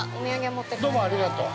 ◆どうもありがとう。